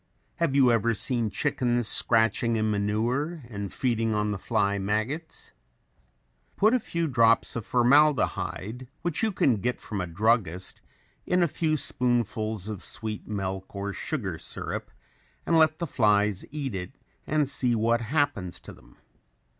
Have you ever seen chickens scratching in manure and feeding on the fly maggots? Put a few drops of formaldehyde, which you can get from a druggist, in a few spoonfuls of sweet milk or sugar syrup and let the flies eat it and see what happens to them.